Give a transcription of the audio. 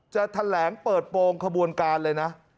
จะแถลงเปิดโปรงขบวนการเลยนะ